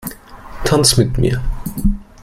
Tanz mit mir!